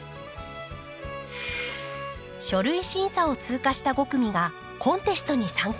書類審査を通過した５組がコンテストに参加。